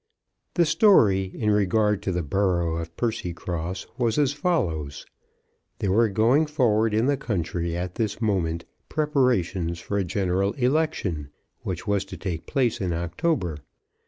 The story in regard to the borough of Percycross was as follows. There were going forward in the country at this moment preparations for a general election, which was to take place in October.